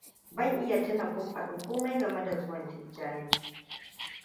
Ban iya tuna kun faɗi komai game da zuwan Tijjani.